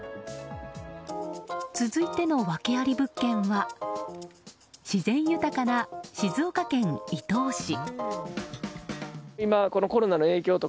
続いての訳あり物件は自然豊かな静岡県伊東市。